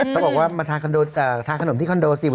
เขาบอกว่ามาทานขนมที่คอนโดสิ